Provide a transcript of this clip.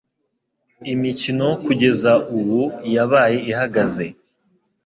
Imikino kugeza ubu yabaye ihagaze